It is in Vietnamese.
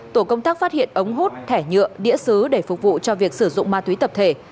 tổ công tác phát hiện ống hút thẻ nhựa đĩa xứ để phục vụ cho việc sử dụng ma túy tập thể